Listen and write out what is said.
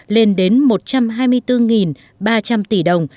lên đến một trăm hai mươi bốn ba trăm linh tỷ đồng